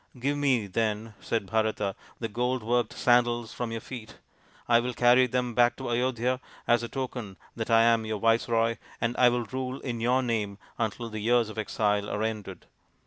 "Give me, then," said Bharata, " the gold worked sandals from your feet. I will carry them back to Ayodhya as a token that I am your viceroy, and I will rule in your name until the years of exile are ended."